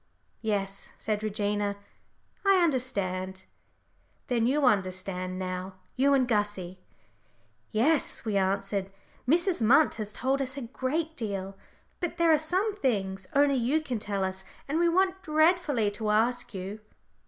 "Yes," said Regina, "I understand. Then you understand now you and Gussie?" "Yes," we answered. "Mrs. Munt has told us a great deal. But there are some things only you can tell us, and we want dreadfully to ask you."